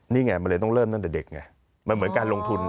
นี่ไงมันเลยต้องเริ่มตั้งแต่เด็กไงมันเหมือนการลงทุน